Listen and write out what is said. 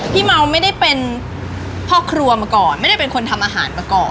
เมาไม่ได้เป็นพ่อครัวมาก่อนไม่ได้เป็นคนทำอาหารมาก่อน